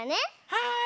はい！